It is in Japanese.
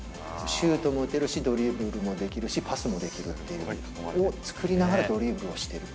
シュートも打てるし、ドリブルもできるし、パスもできるっていうのを作りながらドリブルをしてる。